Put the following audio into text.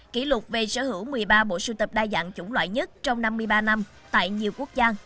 kỷ lục về sở hữu một mươi ba bộ sưu tập đa dạng chủng loại nhất trong năm mươi ba năm tại nhiều quốc gia